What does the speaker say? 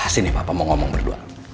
sini papa mau ngomong berdua